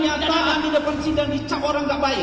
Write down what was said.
tahan di depan sini dan dicap orang tak baik